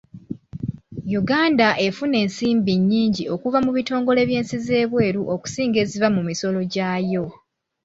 Uganda efuna ensimbi nnyingi okuva mu bitongole by'ensi z'ebweru okusinga eziva mu misolo gyayo.